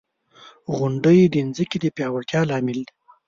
• غونډۍ د ځمکې د پیاوړتیا لامل دی.